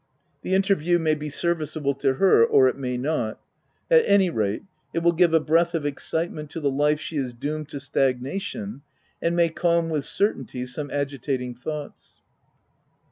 The interview may be serviceable to her, or it may not. — At any rate, it will give a breath of excitement to the life she has doomed to stag nation, and may calm with certainty some agi tating thoughts."